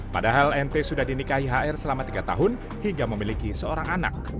padahal nt sudah dinikahi hr selama tiga tahun hingga memiliki seorang anak